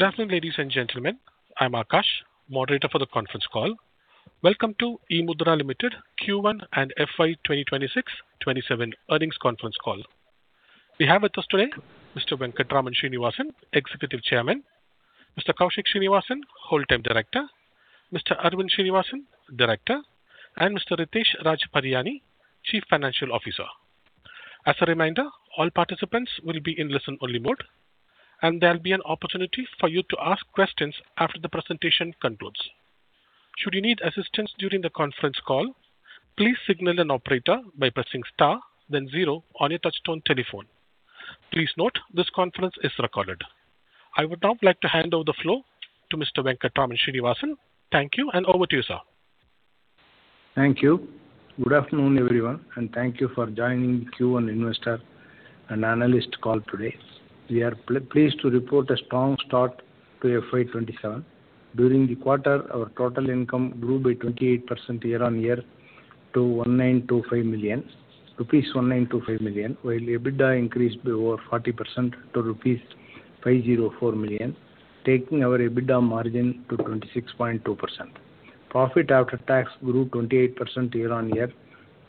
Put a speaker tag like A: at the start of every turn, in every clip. A: Good afternoon, ladies and gentlemen. I am Akash, moderator for the conference call. Welcome to eMudhra Limited Q1 and FY 2026-2027 earnings conference call. We have with us today Mr. Venkatraman Srinivasan, Executive Chairman, Mr. Kaushik Srinivasan, Whole-time Director, Mr. Arvind Srinivasan, Director, and Mr. Ritesh Raj Pariyani, Chief Financial Officer. As a reminder, all participants will be in listen-only mode, and there will be an opportunity for you to ask questions after the presentation concludes. Should you need assistance during the conference call, please signal an operator by pressing star then zero on your touch-tone telephone. Please note, this conference is recorded. I would now like to hand over the floor to Mr. Venkatraman Srinivasan. Thank you, and over to you, sir.
B: Thank you. Good afternoon, everyone, and thank you for joining Q1 investor and analyst call today. We are pleased to report a strong start to FY 2027. During the quarter, our total income grew by 28% year-on-year to 1,925 million rupees, while EBITDA increased by over 40% to rupees 504 million, taking our EBITDA margin to 26.2%. Profit after tax grew 28% year-on-year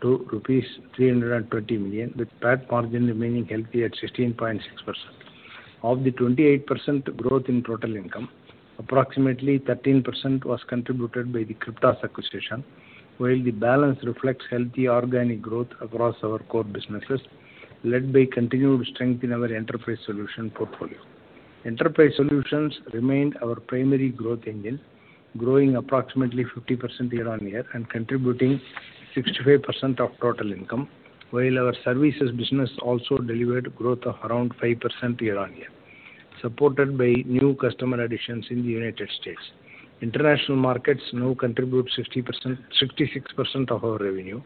B: to rupees 320 million, with PAT margin remaining healthy at 16.6%. Of the 28% growth in total income, approximately 13% was contributed by the CRYPTAS acquisition, while the balance reflects healthy organic growth across our core businesses, led by continued strength in our enterprise solution portfolio. Enterprise solutions remained our primary growth engine, growing approximately 50% year-on-year and contributing 65% of total income. While our services business also delivered growth of around 5% year-on-year, supported by new customer additions in the United States. International markets now contribute 66% of our revenue,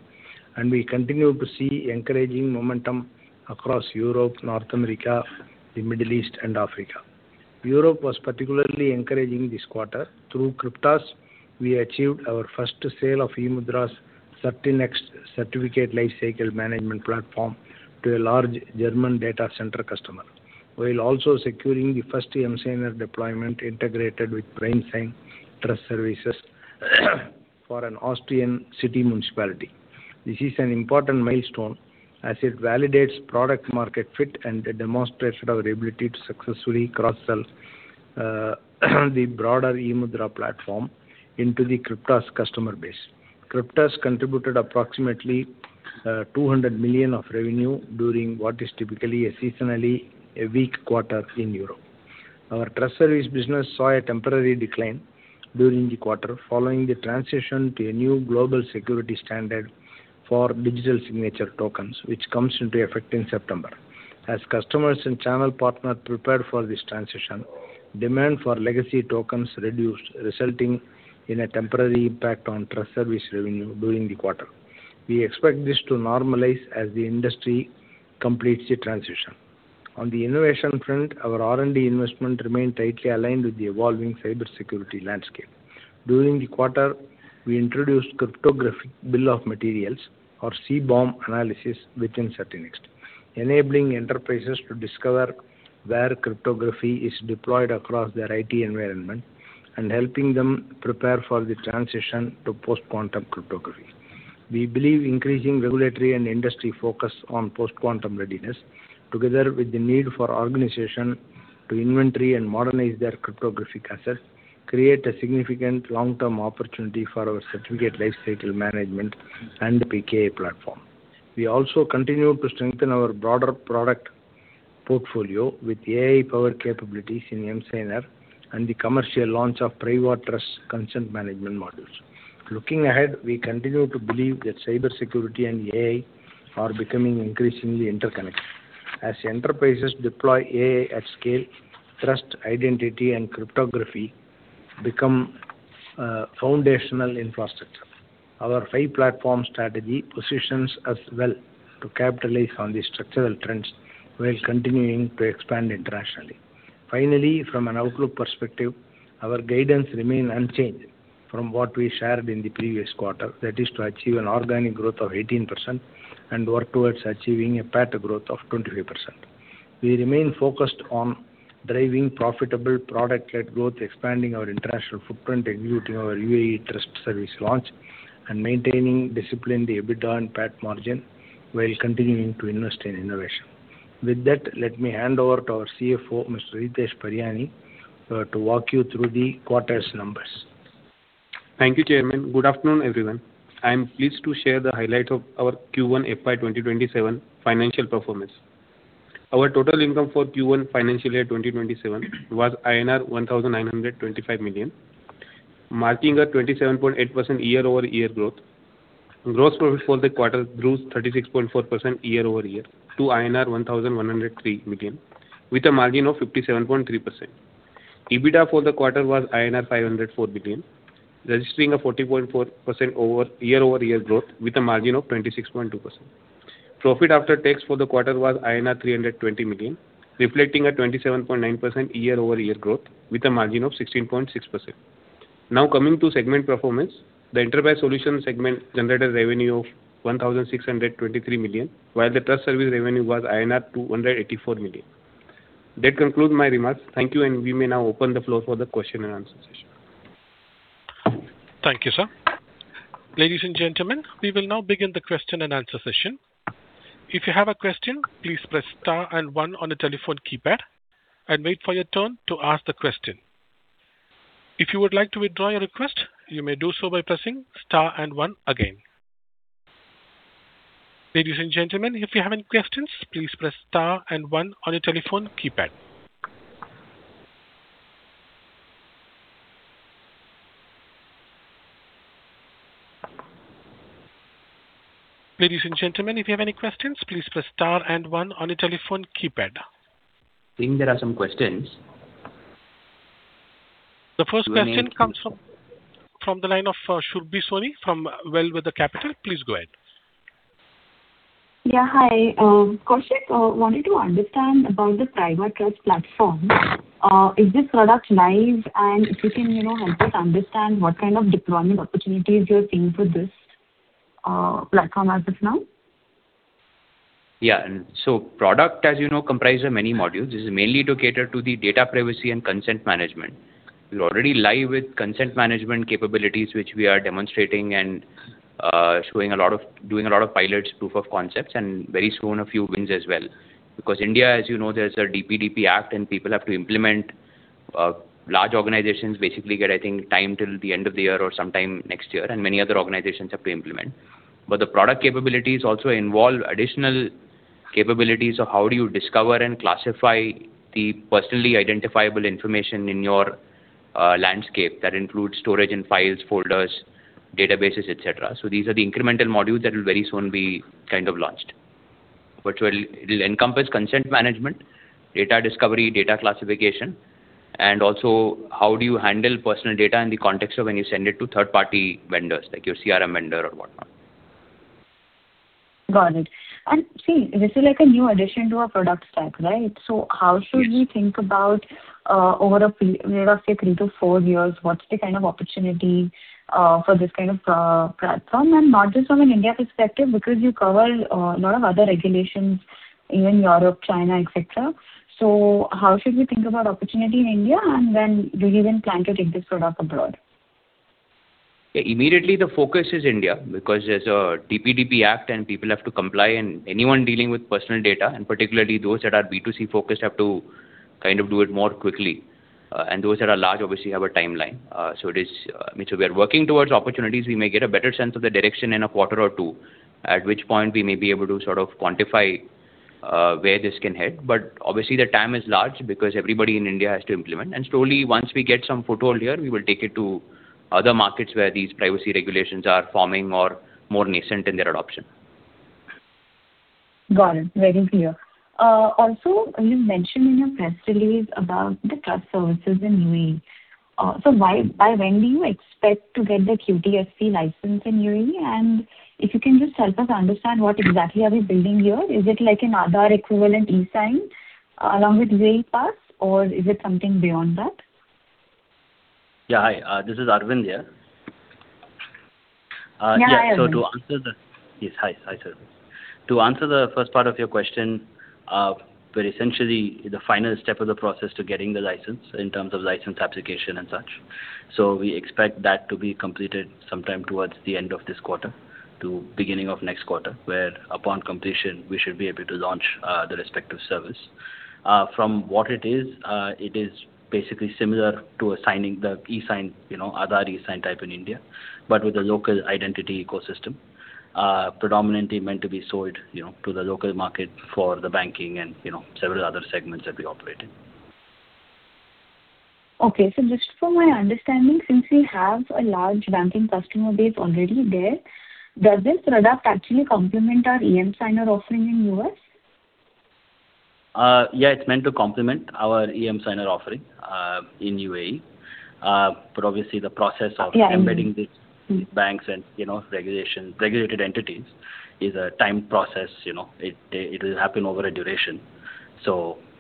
B: and we continue to see encouraging momentum across Europe, North America, the Middle East, and Africa. Europe was particularly encouraging this quarter. Through CRYPTAS, we achieved our first sale of eMudhra's CertiNext certificate lifecycle management platform to a large German data center customer, while also securing the first emSigner deployment integrated with primesign trust services for an Austrian city municipality. This is an important milestone as it validates product-market fit and demonstrated our ability to successfully cross-sell the broader eMudhra platform into the CRYPTAS customer base. CRYPTAS contributed approximately 200 million of revenue during what is typically a seasonally a weak quarter in Europe. Our trust service business saw a temporary decline during the quarter following the transition to a new global security standard for digital signature tokens, which comes into effect in September. As customers and channel partners prepared for this transition, demand for legacy tokens reduced, resulting in a temporary impact on trust service revenue during the quarter. We expect this to normalize as the industry completes the transition. On the innovation front, our R&D investment remained tightly aligned with the evolving cybersecurity landscape. During the quarter, we introduced cryptographic bill of materials or CBOM analysis within CertiNext, enabling enterprises to discover where cryptography is deployed across their IT environment and helping them prepare for the transition to post-quantum cryptography. We believe increasing regulatory and industry focus on post-quantum readiness, together with the need for organization to inventory and modernize their cryptographic assets, create a significant long-term opportunity for our certificate lifecycle management and PKI platform. We also continue to strengthen our broader product portfolio with AI power capabilities in emSigner and the commercial launch of PrivaTrust consent management modules. Looking ahead, we continue to believe that cybersecurity and AI are becoming increasingly interconnected. As enterprises deploy AI at scale, trust, identity, and cryptography become foundational infrastructure. Our five-platform strategy positions us well to capitalize on these structural trends while continuing to expand internationally. Finally, from an outlook perspective, our guidance remain unchanged from what we shared in the previous quarter. That is to achieve an organic growth of 18% and work towards achieving a PAT growth of 25%. We remain focused on driving profitable product-led growth, expanding our international footprint, executing our UAE trust service launch, and maintaining disciplined EBITDA and PAT margin while continuing to invest in innovation. With that, let me hand over to our CFO, Mr. Ritesh Pariyani, to walk you through the quarter's numbers.
C: Thank you, Chairman. Good afternoon, everyone. I'm pleased to share the highlight of our Q1 FY 2027 financial performance. Our total income for Q1 financial year 2027 was INR 1,925 million, marking a 27.8% year-over-year growth. Gross profit for the quarter grew 36.4% year-over-year to INR 1,103 million with a margin of 57.3%. EBITDA for the quarter was INR 504 million, registering a 40.4% year-over-year growth with a margin of 26.2%. Profit after tax for the quarter was INR 320 million, reflecting a 27.9% year-over-year growth with a margin of 16.6%. Now coming to segment performance. The enterprise solution segment generated revenue of 1,623 million, while the trust service revenue was INR 284 million. That concludes my remarks. Thank you, and we may now open the floor for the question-and-answer session.
A: Thank you, sir. Ladies and gentlemen, we will now begin the question-and-answer session. If you have a question, please press star and one on the telephone keypad and wait for your turn to ask the question. If you would like to withdraw your request, you may do so by pressing star and one again. Ladies and gentlemen, if you have any questions, please press star and one on your telephone keypad. Ladies and gentlemen, if you have any questions, please press star and one on your telephone keypad.
D: I think there are some questions.
A: The first question comes from the line of Surbhi Soni from Bellwether Capital. Please go ahead.
E: Yeah. Hi. Kaushik, wanted to understand about the PrivaTrust platform. Is this product live? If you can help us understand what kind of deployment opportunities you're seeing for this platform as of now.
D: Yeah. Product, as you know, comprises of many modules. This is mainly to cater to the data privacy and consent management. We already live with consent management capabilities, which we are demonstrating and doing a lot of pilots, proof of concepts, and very soon a few wins as well. India, as you know, there's a DPDP Act and people have to implement. Large organizations basically get, I think, time till the end of the year or sometime next year, and many other organizations have to implement. The product capabilities also involve additional capabilities of how do you discover and classify the personally identifiable information in your landscape. That includes storage and files, folders, databases, et cetera. These are the incremental modules that will very soon be kind of launched. It'll encompass consent management, data discovery, data classification, and also how do you handle personal data in the context of when you send it to third-party vendors, like your CRM vendor or whatnot.
E: Got it. See, this is like a new addition to our product stack, right? How should we think about, over a period of, say, three to four years, what's the kind of opportunity for this kind of platform? Not just from an India perspective, because you cover a lot of other regulations in Europe, China, et cetera. How should we think about opportunity in India, do you even plan to take this product abroad?
D: Yeah. Immediately the focus is India because there's a DPDP Act, people have to comply, anyone dealing with personal data, particularly those that are B2C-focused have to do it more quickly. Those that are large obviously have a timeline. We are working towards opportunities. We may get a better sense of the direction in a quarter or two, at which point we may be able to sort of quantify where this can head. Obviously the time is large because everybody in India has to implement. Slowly, once we get some foothold here, we will take it to other markets where these privacy regulations are forming or more nascent in their adoption.
E: Got it. Very clear. Also, you mentioned in your press release about the trust services in UAE. By when do you expect to get the QTSP license in UAE? If you can just help us understand what exactly are we building here. Is it like an Aadhaar-equivalent eSign along with VeIL Pass, or is it something beyond that?
F: Yeah. Hi. This is Arvind here.
E: Yeah. Hi, Arvind.
F: Yes. Hi, Surbhi. To answer the first part of your question, we're essentially the final step of the process to getting the license in terms of license application and such. We expect that to be completed sometime towards the end of this quarter to beginning of next quarter, where upon completion, we should be able to launch the respective service. From what it is, it is basically similar to the Aadhaar eSign type in India, but with a local identity ecosystem. Predominantly meant to be sold to the local market for the banking and several other segments that we operate in.
E: Okay. Just for my understanding, since we have a large banking customer base already there, does this product actually complement our emSigner offering in U.S.?
F: Yeah. It's meant to complement our emSigner offering in UAE. Obviously the process of
E: Okay
F: embedding these banks and regulated entities is a timed process. It'll happen over a duration.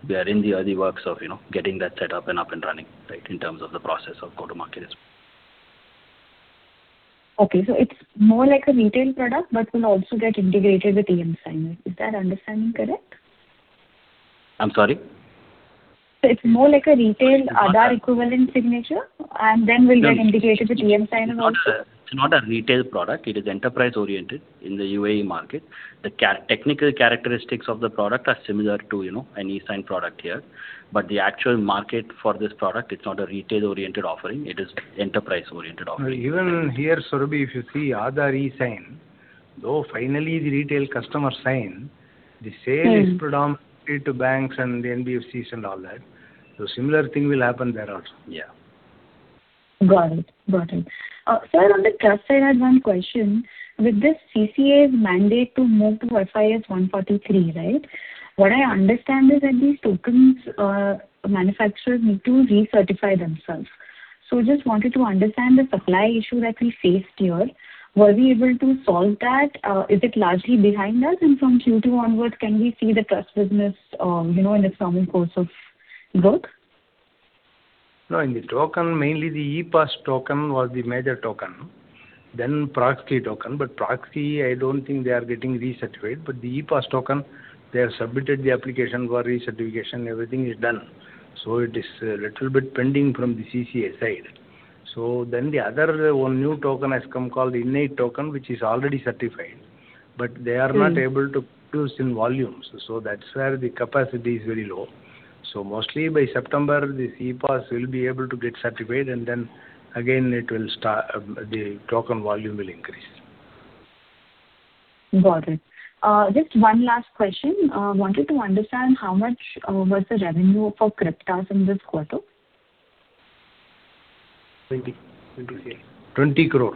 F: We are in the early works of getting that set up and up and running, in terms of the process of go-to-market as well.
E: Okay. It's more like a retail product, but will also get integrated with emSigner. Is that understanding correct?
F: I'm sorry.
E: It's more like a retail Aadhaar-equivalent signature, and then will get integrated with emSigner also.
F: It's not a retail product. It is enterprise-oriented in the UAE market. The technical characteristics of the product are similar to an eSign product here, but the actual market for this product, it's not a retail-oriented offering. It is enterprise-oriented offering.
D: Even here, Surbhi, if you see Aadhaar eSign, though finally the retail customer sign, the sale is predominantly to banks and the NBFCs and all that. Similar thing will happen there also.
F: Yeah.
E: Got it. Sir, on the trust side, I had one question. With this CCA's mandate to move to FIPS 140-3, right? What I understand is that these tokens manufacturers need to recertify themselves. Just wanted to understand the supply issue that we faced here? Were we able to solve that? Is it largely behind us? From Q2 onwards, can we see the trust business in the normal course of work?
B: No. In the token, mainly the ePass token was the major token, then ProxKey token. ProxKey, I don't think they are getting recertified. The ePass token, they have submitted the application for recertification, everything is done. It is a little bit pending from the CCA side. The other one new token has come, called the Innate token, which is already certified, but they are not able to produce in volumes. That's where the capacity is very low. Mostly by September, the ePass will be able to get certified, and then again, the token volume will increase.
E: Got it. Just one last question. Wanted to understand how much was the revenue for CRYPTAS in this quarter?
B: 20 crore.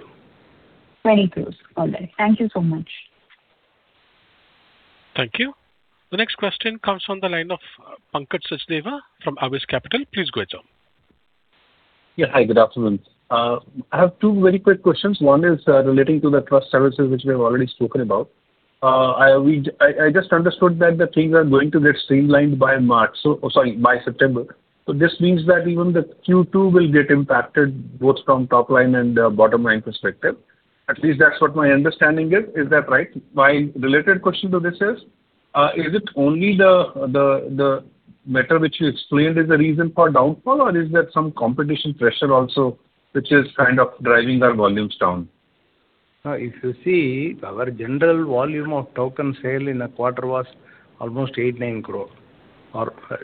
E: 20 crore. All right. Thank you so much.
A: Thank you. The next question comes from the line of [Pankaj Sachdeva from AWIS Capital]. Please go ahead, sir.
G: Yeah. Hi, good afternoon. I have two very quick questions. One is relating to the trust services which we have already spoken about. I just understood that the things are going to get streamlined by September. This means that even the Q2 will get impacted both from top-line and bottom-line perspective. At least that's what my understanding is. Is that right? My related question to this is it only the matter which you explained is the reason for downfall, or is there some competition pressure also which is kind of driving our volumes down?
B: If you see, our general volume of token sale in a quarter was almost 8 crore-9 crore.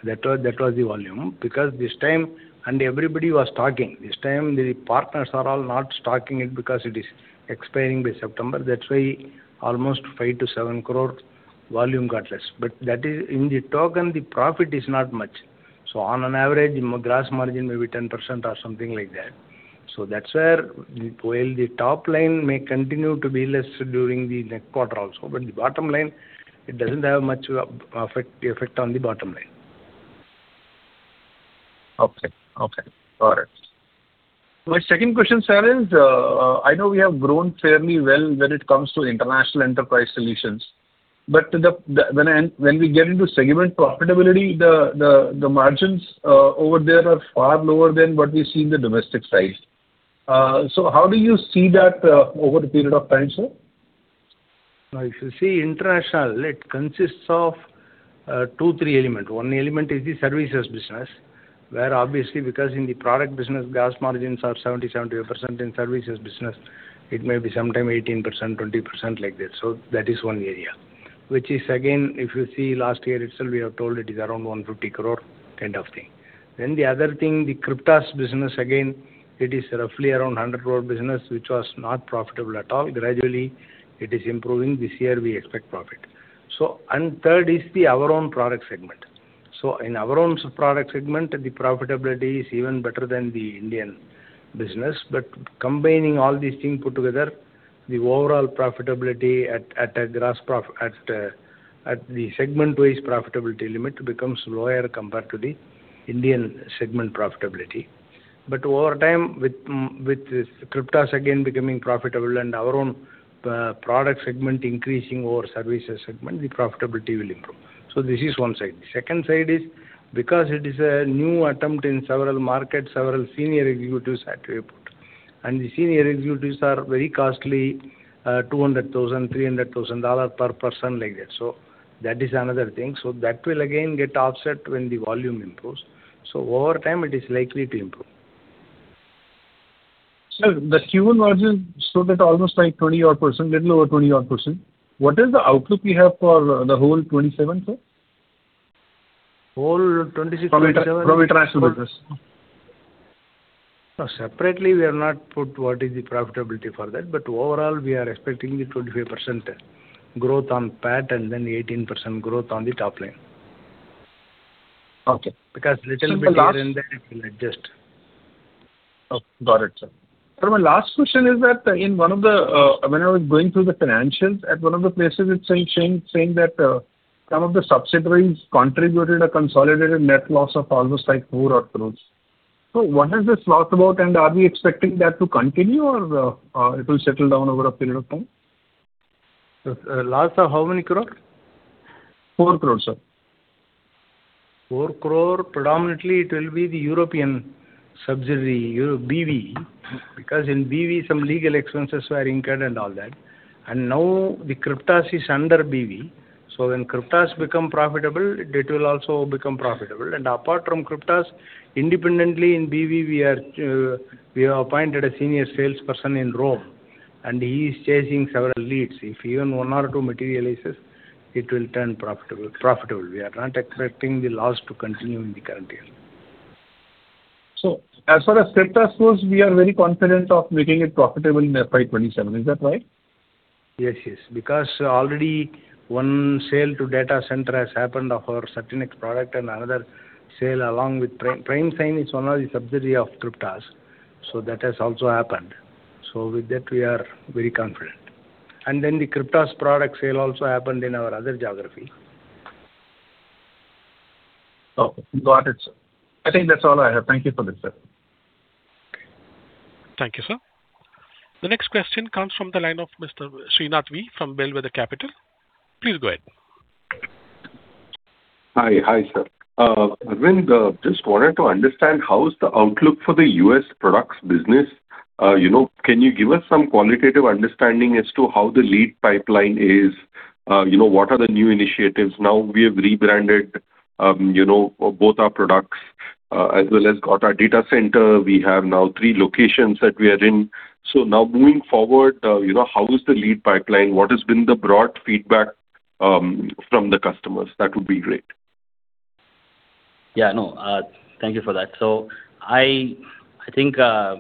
B: That was the volume. This time, the partners are all not talking it because it is expiring by September. That's why almost 5 crore-7 crore volume got less. In the token, the profit is not much. On an average, gross margin may be 10% or something like that. That's where, while the top-line may continue to be less during the next quarter also, but it doesn't have much effect on the bottom-line.
G: Okay. Got it. My second question, sir, is, I know we have grown fairly well when it comes to international enterprise solutions. When we get into segment profitability, the margins over there are far lower than what we see in the domestic side. How do you see that over a period of time, sir?
B: If you see international, it consists of two, three element. One element is the services business, where obviously because in the product business, gross margins are 70%-72%. In services business, it may be sometime 18%-20%, like that. That is one area. Which is again, if you see last year itself, we have told it is around 150 crore kind of thing. The CRYPTAS business, again, it is roughly around 100 crore business, which was not profitable at all. Gradually it is improving. This year we expect profit. Third is our own product segment. In our own product segment, the profitability is even better than the Indian business. But combining all these things put together, the overall profitability at the segment-wise profitability limit becomes lower compared to the Indian segment profitability. Over time, with CRYPTAS again becoming profitable and our own product segment increasing our services segment, the profitability will improve. This is one side. The second side is, because it is a new attempt in several markets, several senior executives had to be put. The senior executives are very costly, $200,000-$300,000 per person, like that. That is another thing. That will again get offset when the volume improves. Over time it is likely to improve.
G: Sir, the Q1 margin showed at almost like 20 odd %, little over 20 odd %. What is the outlook you have for the whole 2027, sir?
B: Whole 2026-2027.
G: Profit, actual business.
B: Separately, we have not put what is the profitability for that, overall, we are expecting the 25% growth on PAT and 18% growth on the top-line.
G: Okay.
B: Little bit here and there it will adjust.
G: Got it, sir. Sir, my last question is that when I was going through the financials, at one of the places it's saying that some of the subsidiaries contributed a consolidated net loss of almost 4 odd crore. What is this loss about and are we expecting that to continue or it will settle down over a period of time?
B: Loss of how many crore?
G: 4 crore, sir.
B: 4 crore, predominantly it will be the European subsidiary, B.V. In B.V. some legal expenses were incurred and all that. Now the CRYPTAS is under B.V. When CRYPTAS become profitable, it will also become profitable. Apart from CRYPTAS, independently in B.V., we have appointed a senior salesperson in Rome and he is chasing several leads. If even one or two materializes, it will turn profitable. We are not expecting the loss to continue in the current year.
G: As far as CRYPTAS goes, we are very confident of making it profitable in FY 2027. Is that right?
B: Yes. Because already one sale to data center has happened of our CertiNext product and another sale along with PrimeSign is one of the subsidiary of CRYPTAS. That has also happened. With that we are very confident. The CRYPTAS product sale also happened in our other geography.
G: Oh, got it, sir. I think that's all I have. Thank you for this, sir.
A: Okay. Thank you, sir. The next question comes from the line of Mr. Srinath V from Bellwether Capital. Please go ahead.
H: Hi, sir. Arvind, just wanted to understand, how's the outlook for the U.S. products business? Can you give us some qualitative understanding as to how the lead pipeline is? What are the new initiatives? Now we have rebranded both our products, as well as got our data center. We have now three locations that we are in. Now moving forward, how is the lead pipeline? What has been the broad feedback from the customers? That would be great.
F: Yeah. No, thank you for that. I think, the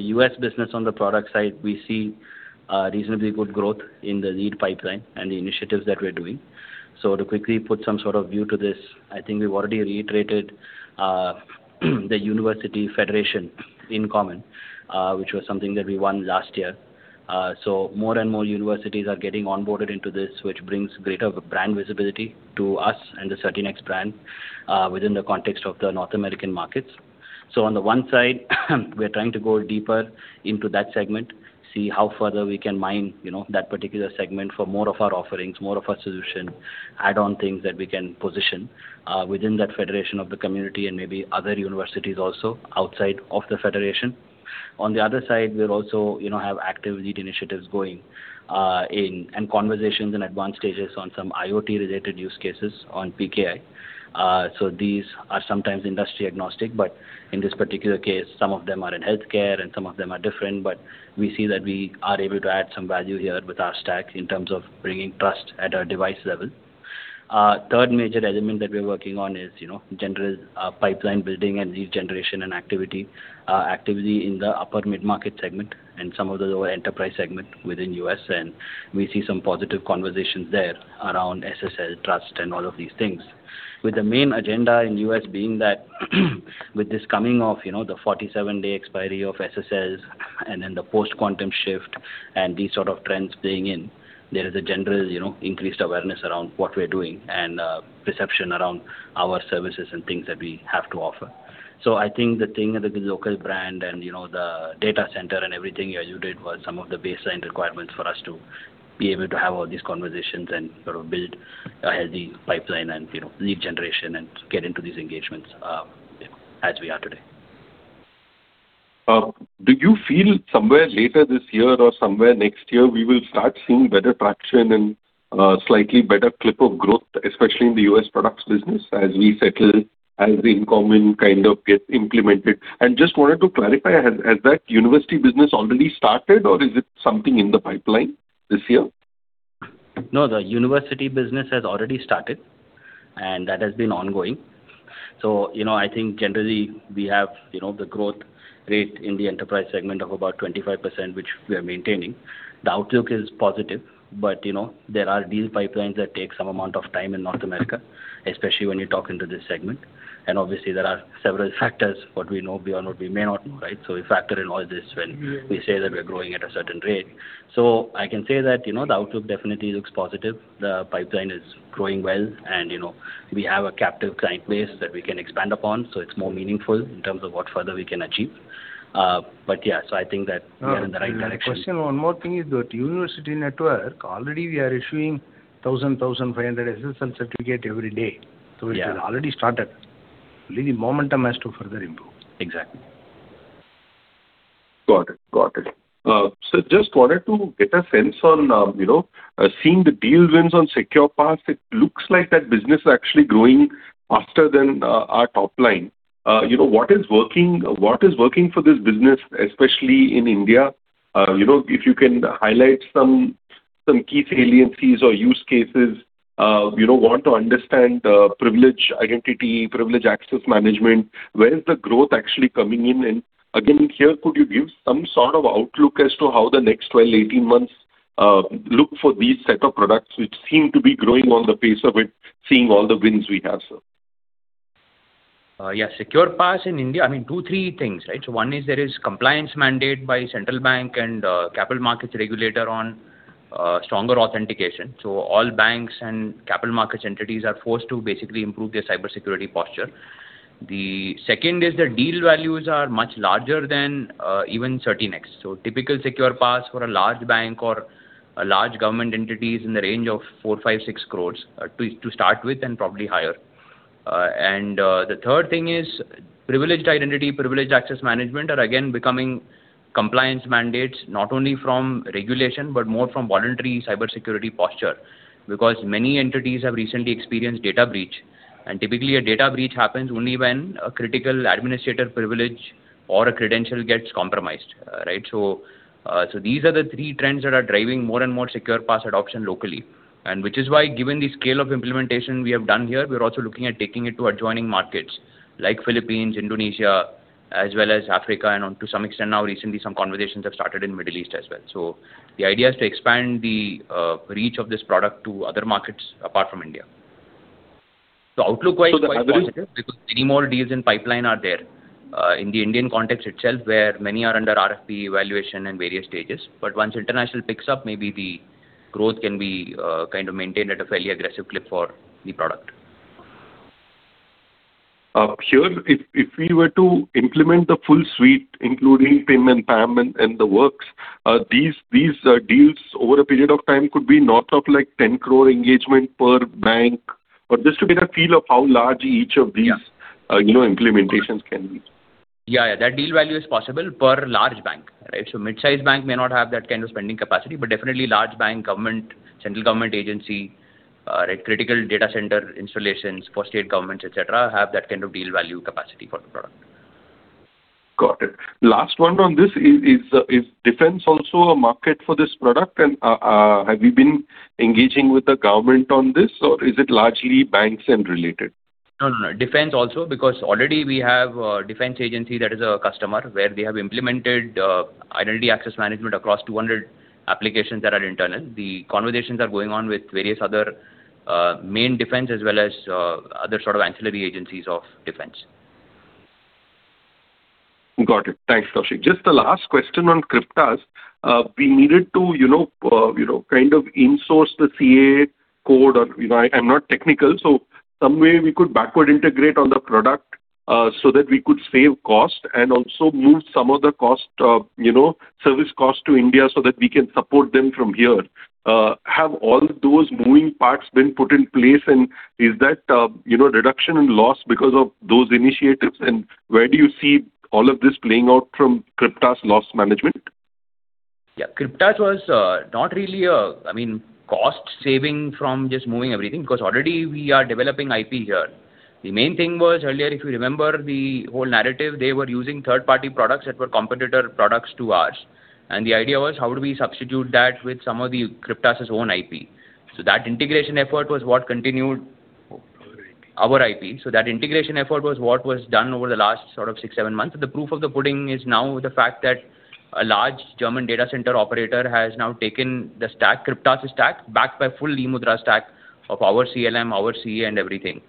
F: U.S. business on the product side, we see reasonably good growth in the lead pipeline and the initiatives that we're doing. To quickly put some sort of view to this, I think we've already reiterated the university federation InCommon, which was something that we won last year. More and more universities are getting onboarded into this, which brings greater brand visibility to us and the CertiNext brand within the context of the North American markets. On the one side, we're trying to go deeper into that segment, see how further we can mine that particular segment for more of our offerings, more of our solution, add-on things that we can position within that federation of the community and maybe other universities also outside of the federation. On the other side, we'll also have active lead initiatives going in and conversations in advanced stages on some IoT-related use cases on PKI. These are sometimes industry agnostic, but in this particular case, some of them are in healthcare and some of them are different, but we see that we are able to add some value here with our stack in terms of bringing trust at a device level. Third major element that we're working on is general pipeline building and lead generation and activity in the upper mid-market segment and some of the lower enterprise segment within U.S., we see some positive conversations there around SSL trust and all of these things. With the main agenda in U.S. being that with this coming of the 47-day expiry of SSL and then the post-quantum shift and these sort of trends playing in, there is a general increased awareness around what we're doing and perception around our services and things that we have to offer. I think the thing with the local brand and the data center and everything as you did was some of the baseline requirements for us to be able to have all these conversations and sort of build a healthy pipeline and lead generation and get into these engagements as we are today.
H: Do you feel somewhere later this year or somewhere next year, we will start seeing better traction and slightly better clip of growth, especially in the U.S. products business as we settle, as the InCommon kind of gets implemented? Just wanted to clarify, has that university business already started or is it something in the pipeline this year?
F: No, the university business has already started, and that has been ongoing. I think generally we have the growth rate in the enterprise segment of about 25%, which we are maintaining. The outlook is positive, but there are deal pipelines that take some amount of time in North America, especially when you talk into this segment. Obviously there are several factors, what we know, we or not we may not know. We factor in all this when we say that we're growing at a certain rate. I can say that the outlook definitely looks positive. The pipeline is growing well and we have a captive client base that we can expand upon, so it's more meaningful in terms of what further we can achieve. I think that we are in the right direction.
B: One more thing is that university network already we are issuing 1,000-1,500 SSL certificate every day.
F: Yeah.
B: It has already started. Only the momentum has to further improve.
F: Exactly.
H: Got it. Just wanted to get a sense on seeing the deal wins on SecurePass, it looks like that business is actually growing faster than our top-line. What is working for this business, especially in India? If you can highlight some key saliencies or use cases. Want to understand the privilege identity, privileged access management. Where is the growth actually coming in? Again, here, could you give some sort of outlook as to how the next 12-18 months look for these set of products, which seem to be growing on the pace of it, seeing all the wins we have, sir?
D: Yeah. SecurePass in India, two, three things. One is there is compliance mandate by central bank and capital markets regulator on stronger authentication. All banks and capital markets entities are forced to basically improve their cybersecurity posture. The second is the deal values are much larger than even CertiNext. Typical SecurePass for a large bank or a large government entity is in the range of 4 crore, 5 crore, 6 crore to start with, and probably higher. The third thing is privileged identity, privileged access management are again becoming compliance mandates, not only from regulation, but more from voluntary cybersecurity posture. Because many entities have recently experienced data breach, and typically a data breach happens only when a critical administrator privilege or a credential gets compromised. These are the three trends that are driving more and more SecurePass adoption locally, which is why, given the scale of implementation we have done here, we're also looking at taking it to adjoining markets like Philippines, Indonesia, as well as Africa, and to some extent now recently, some conversations have started in Middle East as well. The idea is to expand the reach of this product to other markets apart from India. The outlook.
B: The pipeline.
D: Because many more deals in pipeline are there. In the Indian context itself, where many are under RFP evaluation in various stages. Once international picks up, maybe the growth can be maintained at a fairly aggressive clip for the product.
H: Sure. If we were to implement the full suite, including PIM and PAM and the works, these deals over a period of time could be north of 10 crore engagement per bank? Or just to get a feel of how large each of these
D: Yeah
H: implementations can be.
D: Yeah. That deal value is possible per large bank. Right? Mid-size bank may not have that kind of spending capacity, but definitely large bank, central government agency, critical data center installations for state governments, et cetera, have that kind of deal value capacity for the product.
H: Got it. Last one on this. Is defense also a market for this product? Have you been engaging with the government on this, or is it largely banks and related?
D: Defence also, because already we have a defence agency that is our customer, where they have implemented identity access management across 200 applications that are internal. The conversations are going on with various other main defence as well as other sort of ancillary agencies of defence.
H: Got it. Thanks, Kaushik. Just the last question on CRYPTAS'. We needed to in-source the CA code or I'm not technical, so some way we could backward integrate on the product, so that we could save cost and also move some of the service cost to India so that we can support them from here. Have all those moving parts been put in place, and is that deduction in loss because of those initiatives? Where do you see all of this playing out from CRYPTAS' loss management?
D: Yeah. CRYPTAS' was not really a cost saving from just moving everything, because already we are developing IP here. The main thing was earlier, if you remember the whole narrative, they were using third-party products that were competitor products to ours. The idea was how do we substitute that with some of CRYPTAS' own IP. That integration effort was what continued our IP. That integration effort was what was done over the last six, seven months. The proof of the pudding is now the fact that a large German data center operator has now taken CRYPTAS' stack, backed by full eMudhra stack of our CLM, our CA, and everything.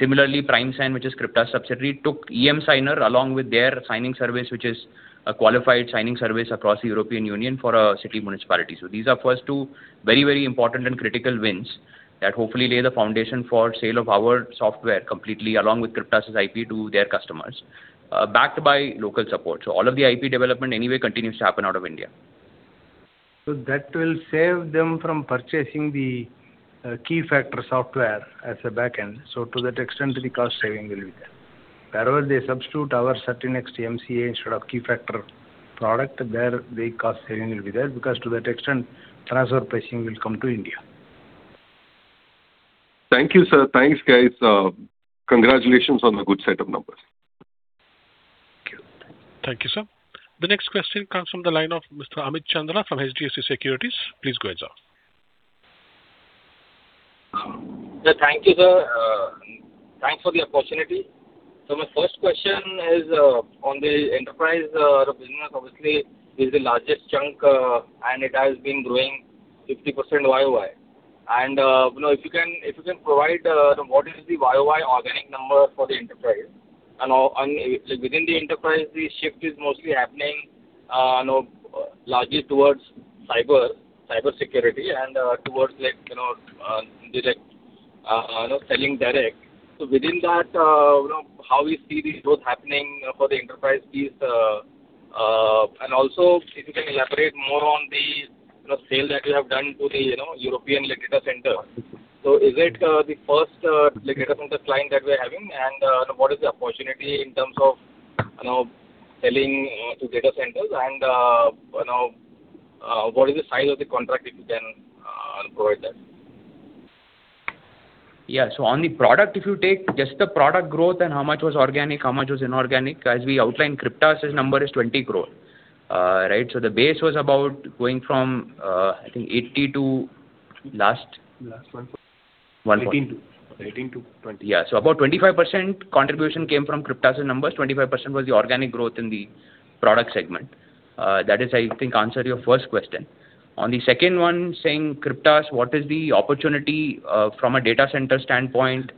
D: Similarly, PrimeSign, which is CRYPTAS' subsidiary, took emSigner along with their signing service, which is a qualified signing service across the European Union for a city municipality. These are first two very important and critical wins that hopefully lay the foundation for sale of our software completely, along with CRYPTAS' IP to their customers, backed by local support. All of the IP development anyway continues to happen out of India.
B: That will save them from purchasing the Keyfactor software as a back end. To that extent, the cost saving will be there. Wherever they substitute our CertiNext CA instead of Keyfactor product, there the cost saving will be there, because to that extent, transfer pricing will come to India.
H: Thank you, sir. Thanks, guys. Congratulations on the good set of numbers.
B: Thank you.
A: Thank you, sir. The next question comes from the line of Mr. Amit Chandra from HDFC Securities. Please go ahead, sir.
I: Thank you, sir. Thanks for the opportunity. My first question is on the enterprise business. Obviously, this is the largest chunk, and it has been growing 50% Y-o-Y. If you can provide what is the Y-o-Y organic number for the enterprise? Within the enterprise, the shift is mostly happening largely towards cybersecurity and towards selling direct. Within that, how we see this growth happening for the enterprise piece? Also, if you can elaborate more on the sale that you have done to the European data center. Is it the first data center client that we're having? What is the opportunity in terms of selling to data centers? What is the size of the contract, if you can provide that?
D: On the product, if you take just the product growth and how much was organic, how much was inorganic, as we outlined, CRYPTAS' number is 20 crore. Right? The base was about going from, I think 80 crore.
B: 140 crore.
D: 140 crore.
B: 18%-20%
D: About 25% contribution came from Cryptas' numbers, 25% was the organic growth in the product segment. That is, I think, answer your first question. The second one, saying CRYPTAS, what is the opportunity from a data center standpoint,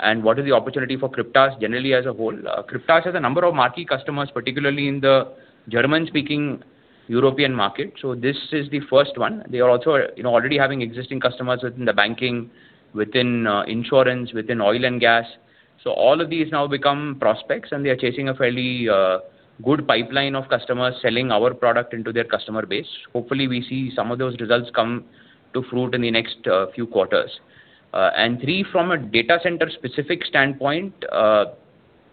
D: and what is the opportunity for CRYPTAS generally as a whole? CRYPTAS has a number of marquee customers, particularly in the German-speaking European market. This is the first one. They are also already having existing customers within the banking, within insurance, within oil and gas. All of these now become prospects, and they are chasing a fairly good pipeline of customers selling our product into their customer base. Hopefully, we see some of those results come to fruit in the next few quarters. Three, from a data center-specific standpoint,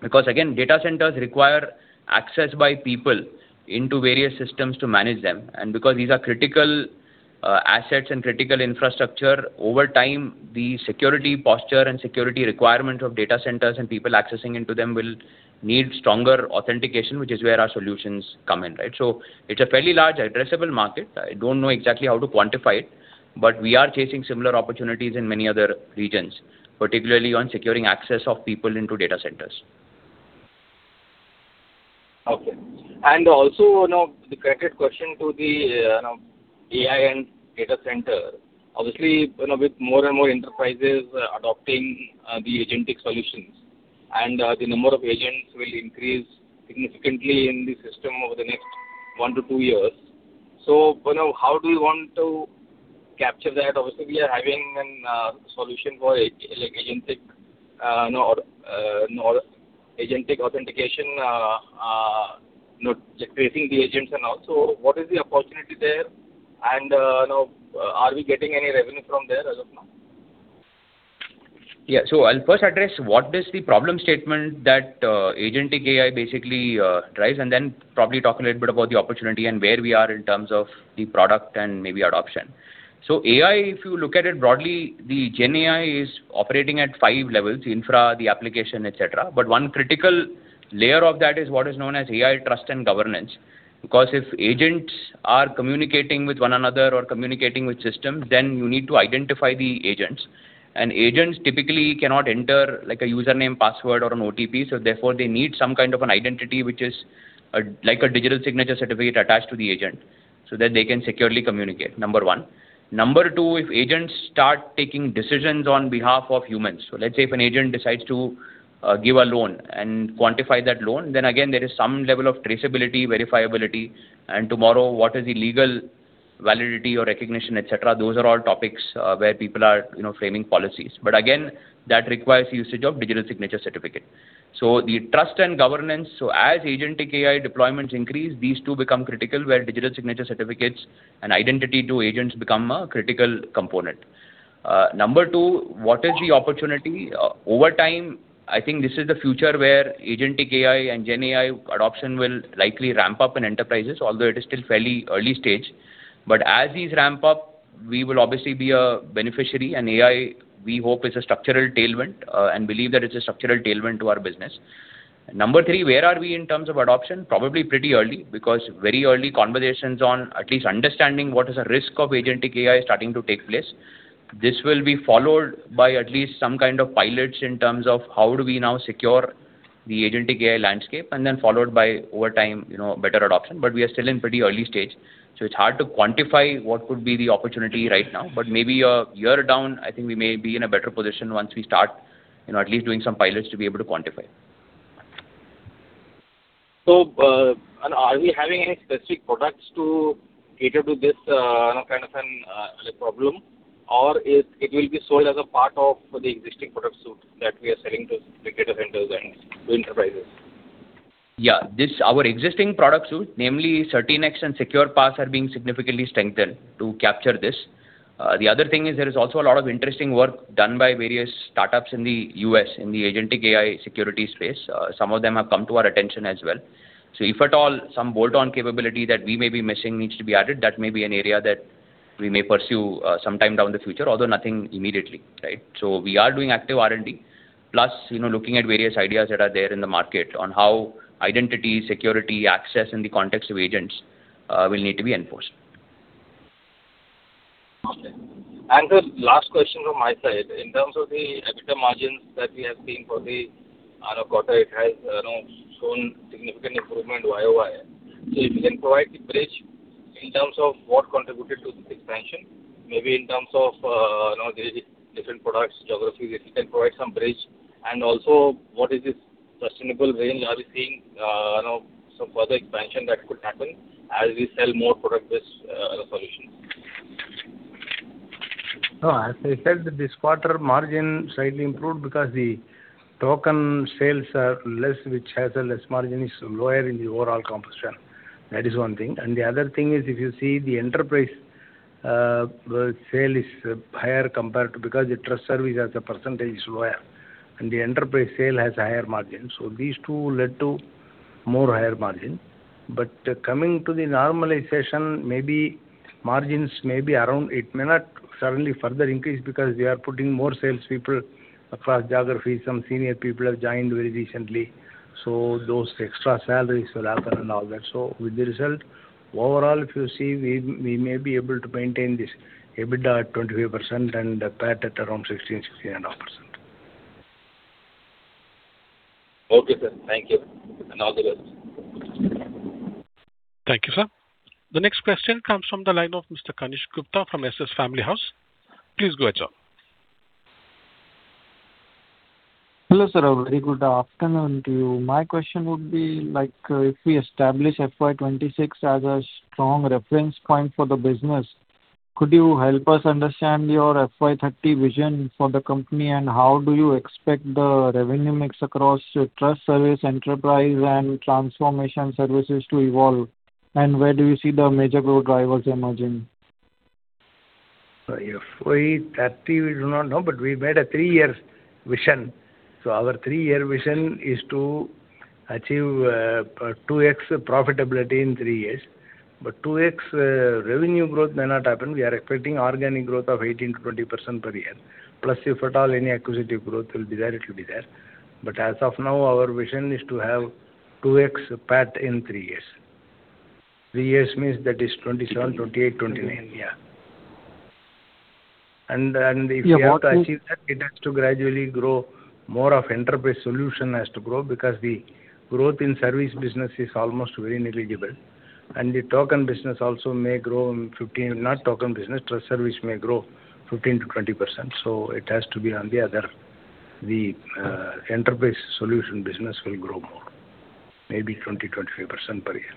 D: because again, data centers require access by people into various systems to manage them. Because these are critical assets and critical infrastructure, over time, the security posture and security requirement of data centers and people accessing into them will need stronger authentication, which is where our solutions come in. Right? It's a fairly large addressable market. I don't know exactly how to quantify it, but we are chasing similar opportunities in many other regions, particularly on securing access of people into data centers.
I: Okay. Also, the connected question to the AI and data center. Obviously, with more and more enterprises adopting the agentic solutions, the number of agents will increase significantly in the system over the next one to two years. How do you want to capture that? Obviously, we are having a solution for agentic authentication, tracing the agents and all. What is the opportunity there? Are we getting any revenue from there as of now?
D: I'll first address what is the problem statement that agentic AI basically drives, and then probably talk a little bit about the opportunity and where we are in terms of the product and maybe adoption. AI, if you look at it broadly, the GenAI is operating at five levels, the infra, the application, et cetera. One critical layer of that is what is known as AI trust and governance, because if agents are communicating with one another or communicating with systems, then you need to identify the agents. Agents typically cannot enter a username, password, or an OTP. Therefore, they need some kind of an identity, which is like a digital signature certificate attached to the agent, so that they can securely communicate, number one. Number two, if agents start taking decisions on behalf of humans, let's say if an agent decides to give a loan and quantify that loan, then again, there is some level of traceability, verifiability, and tomorrow, what is the legal validity or recognition, et cetera. Those are all topics where people are framing policies. Again, that requires usage of digital signature certificate. The trust and governance, as agentic AI deployments increase, these two become critical, where digital signature certificates and identity to agents become a critical component. Number two, what is the opportunity? Over time, I think this is the future where agentic AI and GenAI adoption will likely ramp-up in enterprises, although it is still fairly early stage. As these ramp-up, we will obviously be a beneficiary, and AI, we hope, is a structural tailwind, and believe that it's a structural tailwind to our business. Number three, where are we in terms of adoption? Probably pretty early, because very early conversations on at least understanding what is the risk of agentic AI starting to take place. This will be followed by at least some kind of pilots in terms of how do we now secure the agentic AI landscape, and then followed by, over time, better adoption. We are still in pretty early stage, it's hard to quantify what could be the opportunity right now. Maybe a year down, I think we may be in a better position once we start at least doing some pilots to be able to quantify.
I: Are we having any specific products to cater to this kind of a problem, or it will be sold as a part of the existing product suite that we are selling to the data centers and to enterprises?
D: Yeah. Our existing product suite, namely CertiNext and SecurePass, are being significantly strengthened to capture this. The other thing is there is also a lot of interesting work done by various startups in the U.S. in the agentic AI security space. Some of them have come to our attention as well. If at all, some bolt-on capability that we may be missing needs to be added, that may be an area that we may pursue sometime down the future, although nothing immediately, right? We are doing active R&D. Plus, looking at various ideas that are there in the market on how identity, security, access in the context of agents will need to be enforced.
I: Okay. Sir, last question from my side. In terms of the EBITDA margins that we have seen for the quarter, it has shown significant improvement Y-o-Y. If you can provide the bridge in terms of what contributed to this expansion, maybe in terms of the different products, geographies. If you can provide some bridge. Also, what is the sustainable range? Are we seeing some further expansion that could happen as we sell more product-based solutions?
B: As I said, this quarter margin slightly improved because the token sales are less, which has a less margin, is lower in the overall composition. That is one thing. The other thing is, if you see the enterprise sale is higher compared to-- because the trust service as a percentage is lower, and the enterprise sale has a higher margin. These two led to more higher margin. Coming to the normalization, maybe margins may be around, it may not suddenly further increase because we are putting more salespeople across geographies. Some senior people have joined very recently. Those extra salaries will happen and all that. With the result, overall, if you see, we may be able to maintain this EBITDA at 25% and PAT at around 16.5%.
I: Okay, sir. Thank you. All the best.
A: Thank you, sir. The next question comes from the line of [Mr. Kanishk Gupta from SS Family House]. Please go ahead, sir.
J: Hello, sir. A very good afternoon to you. My question would be, if we establish FY 2026 as a strong reference point for the business, could you help us understand your FY 2030 vision for the company, and how do you expect the revenue mix across trust service, enterprise, and transformation services to evolve? Where do you see the major growth drivers emerging?
B: FY 2030, we do not know, we made a three-year vision. Our three-year vision is to achieve 2x profitability in three years. 2x revenue growth may not happen. We are expecting organic growth of 18%-20% per year. Plus, if at all any acquisitive growth will be there, it will be there. As of now, our vision is to have 2x PAT in three years. Three years means that is 2027, 2028, 2029. If we have to achieve that, it has to gradually grow. More of enterprise solution has to grow because the growth in service business is almost very negligible. Not token business, trust service may grow 15%-20%. It has to be on the other. The enterprise solution business will grow more, maybe 20%-25% per year.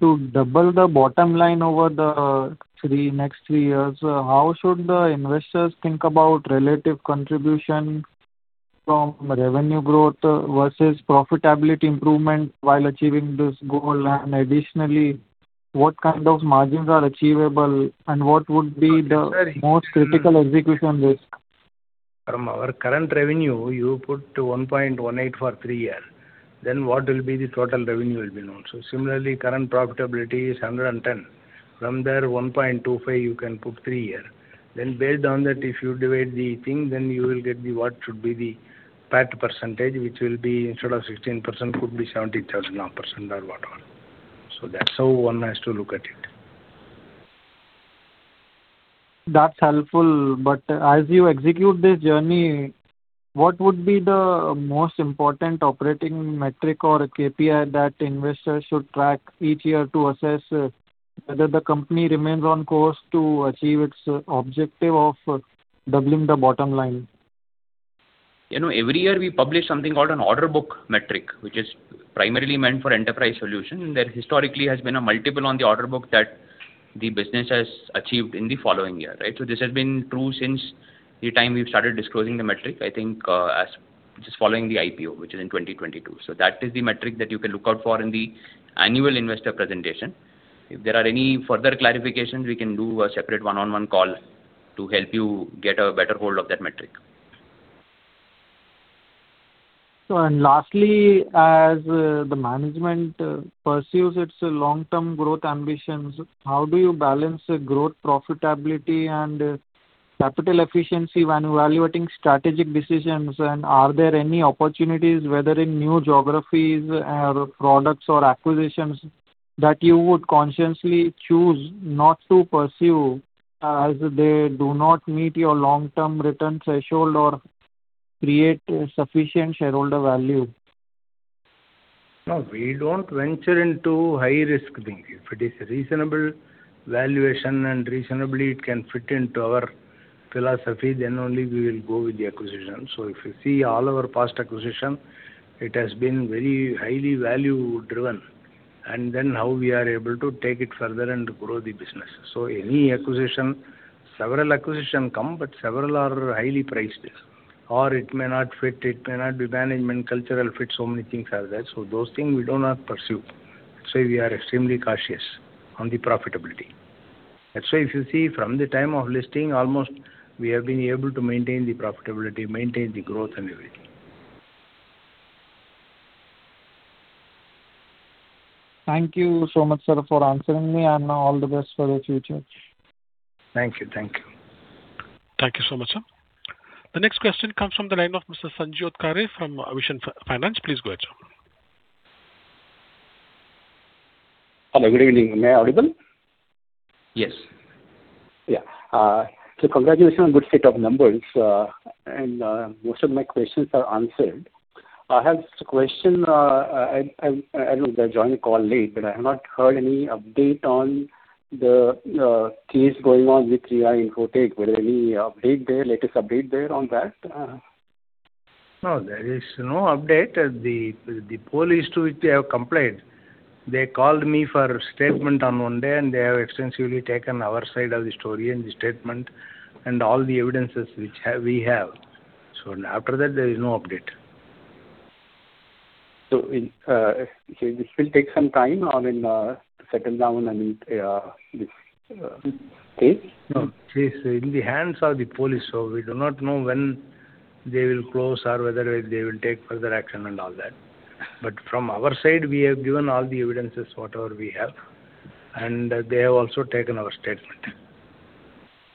J: To double the bottom-line over the next three years, how should the investors think about relative contribution from revenue growth versus profitability improvement while achieving this goal? Additionally, what kind of margins are achievable and what would be the most critical execution risk?
B: From our current revenue, you put 1.18 for three year. What will be the total revenue will be known. Similarly, current profitability is 110. From there, 1.25 you can put three year. Based on that, if you divide the thing, you will get what should be the PAT percentage, which will be instead of 16%, could be 17%, 18% or whatever. That's how one has to look at it.
J: That's helpful. As you execute this journey, what would be the most important operating metric or KPI that investors should track each year to assess whether the company remains on course to achieve its objective of doubling the bottom line?
D: Every year we publish something called an order book metric, which is primarily meant for enterprise solution. There historically has been a multiple on the order book that the business has achieved in the following year. This has been true since the time we've started disclosing the metric, I think, just following the IPO, which is in 2022. That is the metric that you can look out for in the annual investor presentation. If there are any further clarifications, we can do a separate one-on-one call to help you get a better hold of that metric.
J: Lastly, as the management pursues its long-term growth ambitions, how do you balance growth profitability and capital efficiency when evaluating strategic decisions? Are there any opportunities, whether in new geographies or products or acquisitions, that you would consciously choose not to pursue as they do not meet your long-term return threshold or create sufficient shareholder value?
B: No, we don't venture into high-risk things. If it is reasonable valuation and reasonably it can fit into our philosophy, then only we will go with the acquisition. If you see all our past acquisition, it has been very highly value-driven, and then how we are able to take it further and grow the business. Any acquisition, several acquisition come, but several are highly priced, or it may not fit, it may not be management cultural fit, so many things are there. Those things we do not pursue. That's why we are extremely cautious on the profitability. That's why if you see from the time of listing, almost we have been able to maintain the profitability, maintain the growth and everything.
J: Thank you so much, sir, for answering me, and all the best for the future.
B: Thank you.
A: Thank you so much, sir. The next question comes from the line of [Mr. Sanjiv Odkhare] from Aavishkaar Finance. Please go ahead, sir.
K: Hello, good evening. Am I audible?
B: Yes.
K: Yeah. Congratulations on good set of numbers. Most of my questions are answered. I have this question. I know that I joined the call late, but I have not heard any update on the case going on with 3i Infotech. Was there any update there, latest update there on that?
B: No, there is no update. The police to which they have complained, they called me for a statement on one day, they have extensively taken our side of the story and the statement and all the evidences which we have. After that, there is no update.
K: This will take some time, I mean, to settle down and this case?
B: No, case in the hands of the police, so we do not know when they will close or whether they will take further action and all that. From our side, we have given all the evidences, whatever we have, and they have also taken our statement.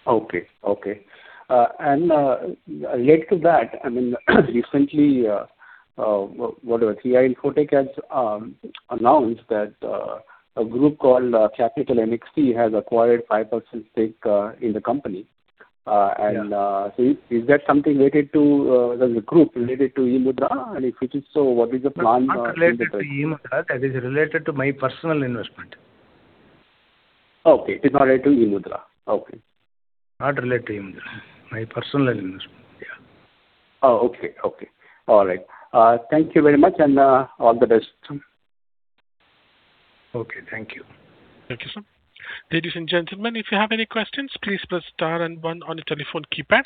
K: Okay. Related to that, I mean, recently, whatever 3i Infotech has announced that a group called Capital NXT has acquired 5% stake in the company.
B: Yeah.
K: Is that something related to the group, related to eMudhra? If it is, what is the plan?
B: Not related to eMudhra. That is related to my personal investment.
K: Okay. It's not related to eMudhra. Okay.
B: Not related to eMudhra. My personal investment. Yeah.
K: Oh, okay. All right. Thank you very much and all the best.
B: Okay, thank you.
A: Thank you, sir. Ladies and gentlemen, if you have any questions, please press star and one on your telephone keypad.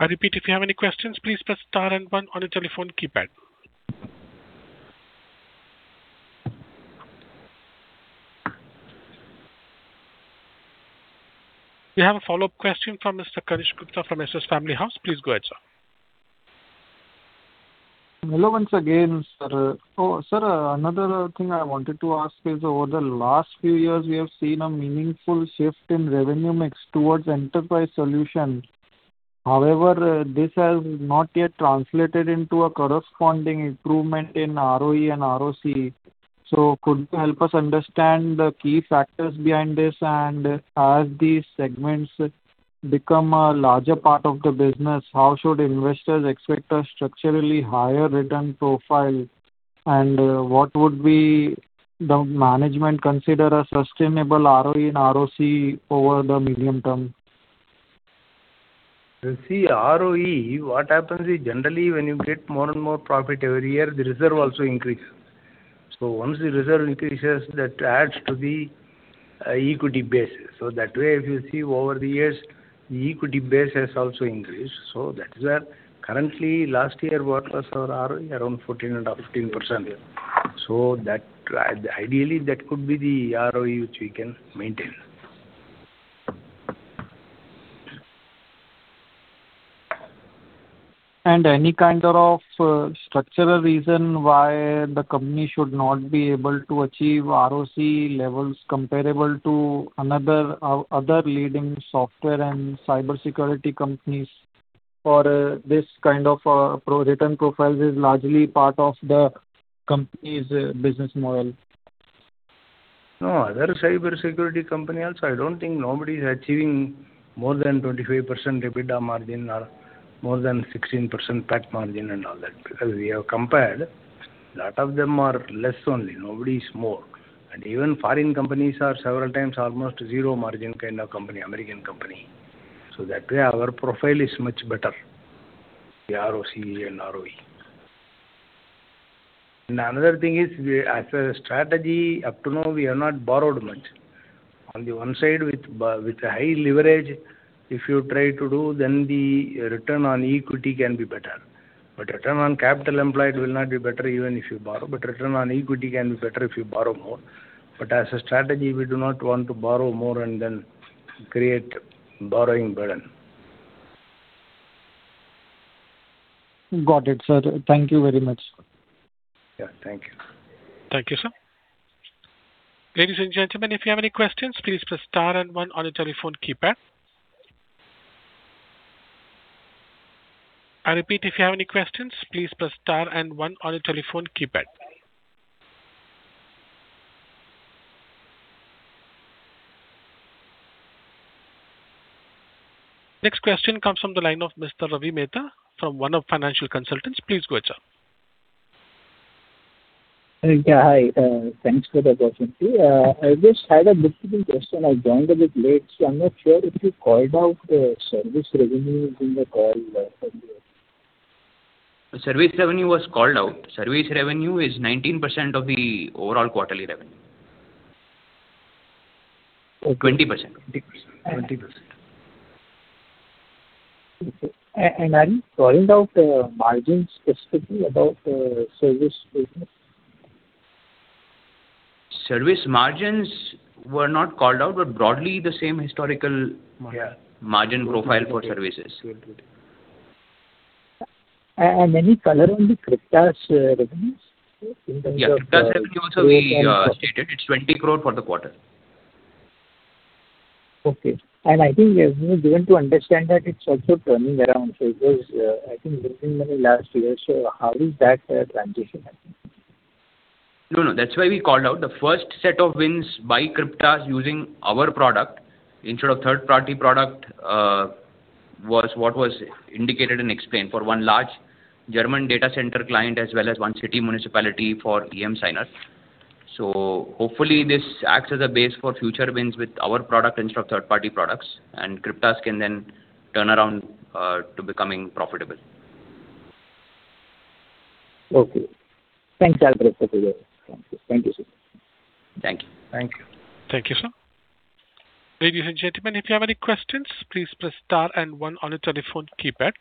A: I repeat, if you have any questions, please press star and one on your telephone keypad. We have a follow-up question from [Mr. Kanishk Gupta from SS Family House]. Please go ahead, sir.
J: Hello once again, sir. Sir, another thing I wanted to ask is over the last few years, we have seen a meaningful shift in revenue mix towards enterprise solutions. However, this has not yet translated into a corresponding improvement in ROE and ROC. Could you help us understand the key factors behind this and as these segments become a larger part of the business, how should investors expect a structurally higher return profile? What would the management consider a sustainable ROE and ROC over the medium-term?
B: ROE, what happens is generally when you get more and more profit every year, the reserve also increases. Once the reserve increases, that adds to the equity base. That way, if you see over the years, the equity base has also increased. That is where currently, last year what was our ROE? Around 14.5%, 15%. Ideally that could be the ROE which we can maintain.
J: Any kind of structural reason why the company should not be able to achieve ROC levels comparable to other leading software and cybersecurity companies? This kind of return profile is largely part of the company's business model.
B: No. Other cybersecurity company also, I don't think anybody's achieving more than 25% EBITDA margin or more than 16% PAT margin and all that. We have compared, a lot of them are less only, nobody is more. Even foreign companies are several times almost zero margin kind of company, American company. That way, our profile is much better, the ROC and ROE. Another thing is, as a strategy, up to now we have not borrowed much. On the one side with high leverage, if you try to do, then the return on equity can be better. Return on capital employed will not be better even if you borrow. Return on equity can be better if you borrow more. As a strategy, we do not want to borrow more and then create borrowing burden.
J: Got it, sir. Thank you very much.
B: Yeah. Thank you.
A: Thank you, sir. Ladies and gentlemen, if you have any questions, please press star and one on your telephone keypad. I repeat, if you have any questions, please press star and one on your telephone keypad. Next question comes from the line of Mr. Ravi Mehta from Deep Financial Consultants. Please go ahead, sir.
L: Yeah. Hi. Thanks for the opportunity. I just had a little bit question. I joined a bit late, so I am not sure if you called out service revenues in the call earlier.
D: Service revenue was called out. Service revenue is 19% of the overall quarterly revenue. 20%.
L: Okay. Are you calling out margins specifically about service business?
D: Service margins were not called out, but broadly the same historical margin profile for services.
L: Any color on the CRYPTAS' revenues in terms of-
D: Cryptas' revenue also we stated. It is 20 crore for the quarter.
L: I think we have been given to understand that it's also turning around. It was, I think, losing money last year. How is that transition happening?
D: That's why we called out the first set of wins by CRYPTAS using our product instead of third-party product was what was indicated and explained for one large German data center client as well as one city municipality for emSigner. Hopefully this acts as a base for future wins with our product instead of third-party products. CRYPTAS can then turn around to becoming profitable.
L: Okay. Thanks for the update. Thank you, sir.
D: Thank you.
B: Thank you.
A: Thank you, sir. Ladies and gentlemen, if you have any questions, please press star and one on your telephone keypad.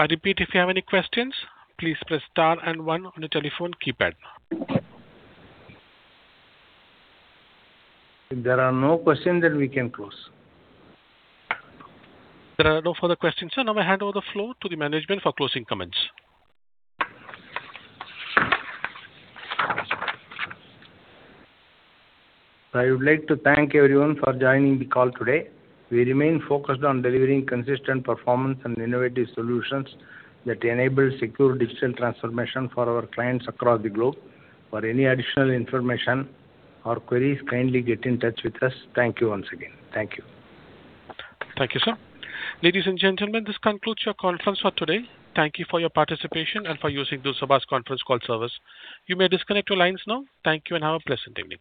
A: I repeat, if you have any questions, please press star and one on your telephone keypad.
B: If there are no questions, then we can close.
A: There are no further questions, sir. I hand over the floor to the management for closing comments.
B: I would like to thank everyone for joining the call today. We remain focused on delivering consistent performance and innovative solutions that enable secure digital transformation for our clients across the globe. For any additional information or queries, kindly get in touch with us. Thank you once again. Thank you.
A: Thank you, sir. Ladies and gentlemen, this concludes your conference for today. Thank you for your participation and for using this. [inaudible] You may disconnect your lines now. Thank you and have a pleasant evening.